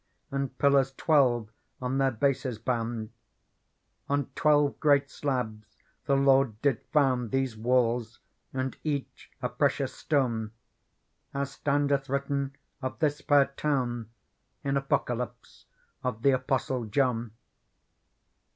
And pillars tw eTve on their bases bound : On twelve great slabs the Lord did found Those walls, and each a precious stone ; As standeth written of this fair town In Apocalypse of the Apostle John.